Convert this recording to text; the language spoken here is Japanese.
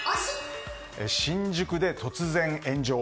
新宿で突然炎上。